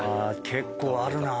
結構あるな。